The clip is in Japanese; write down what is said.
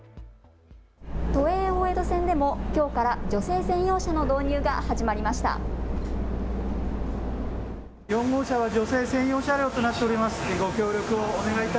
都営大江戸線でもきょうから女性専用車の導入が始まりました。